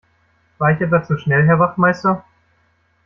War ich etwa zu schnell Herr Wachtmeister?